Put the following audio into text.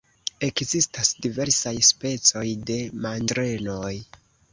Ekzistas diversaj specoj de mandrenoj.